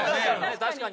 確かに。